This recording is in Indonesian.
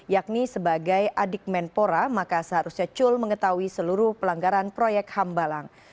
yakni sebagai adik menpora maka seharusnya cul mengetahui seluruh pelanggaran proyek hambalang